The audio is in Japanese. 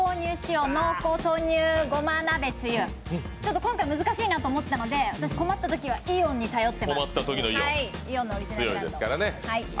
今回難しいなと思ったので困ったときはイオンに頼っています。